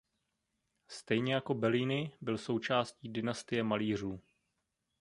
Stejně jako Bellini byl součástí dynastie malířů.